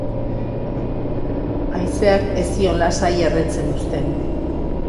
Haizeak ez zion lasai erretzen uzten.